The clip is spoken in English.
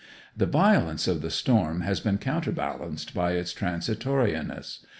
The violence of the storm has been counterbalanced by its transitoriness.